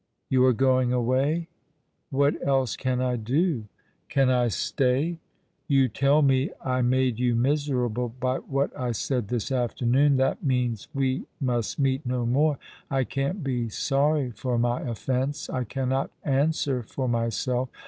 " You are going away ?"" What else can I do ? Can I stay ? You tell me I made *' The Child cheek bhishiiig Scarlett 71 you miserable by what I said this afternoon. That means we must meet no more. I can't be sorry for my offence. I cannot answer for myself.